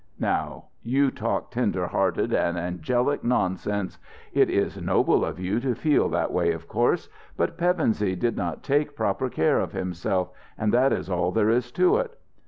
"Now you talk tender hearted and angelic nonsense. It is noble of you to feel that way, of course. But Pevensey did not take proper care of himself, and that is all there is to it.